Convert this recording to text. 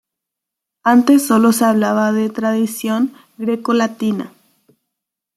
Antes solo se hablaba de tradición grecolatina.